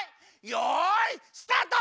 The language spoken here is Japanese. よいスタート！